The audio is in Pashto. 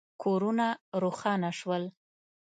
کورونه روښانه شول.